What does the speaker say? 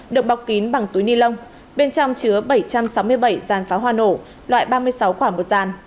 được bọc kín bằng túi ni lông bên trong chứa bảy trăm sáu mươi bảy dàn pháo hoa nổ loại ba mươi sáu quả một dàn